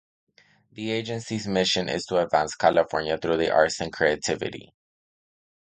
The agency's mission is to advance California through the arts and creativity.